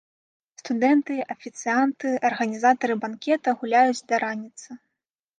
Студэнты, афіцыянты, арганізатары банкета гуляюць да раніцы.